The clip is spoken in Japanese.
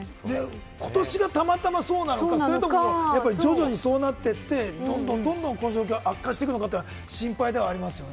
今年がたまたまそうなのか、それとも徐々にそうなってて、どんどん悪化していくのか心配ではありますよね。